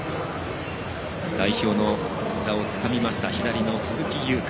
代表の座をつかんだ左の鈴木優花。